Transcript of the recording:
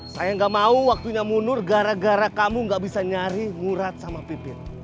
saya gak mau waktunya munur gara gara kamu gak bisa nyari murad sama pipit